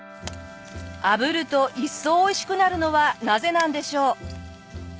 あぶると一層おいしくなるのはなぜなんでしょう？